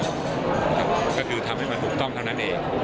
ก็คือทำให้มันถูกต้องเท่านั้นเอง